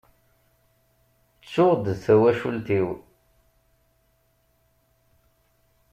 Tttuɣ d tawacult-iw.